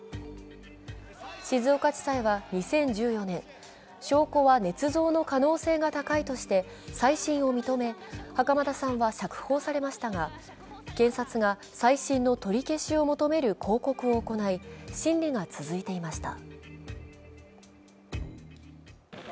静岡地裁は２０１４年、証拠はねつ造の可能性が高いとして再審を認め袴田さんは釈放されましたが検察が再審の取り消しを求める抗告を行い審理が続いていました。